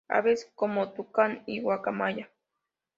Aves como tucán y guacamaya.